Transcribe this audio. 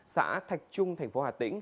xã thạch trung tp ht